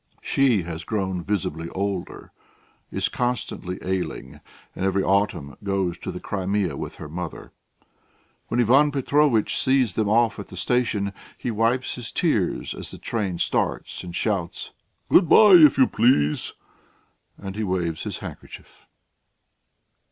She has grown visibly older, is constantly ailing, and every autumn goes to the Crimea with her mother. When Ivan Petrovitch sees them off at the station, he wipes his tears as the train starts, and shouts: "Good bye, if you please." And he waves his handkerchief.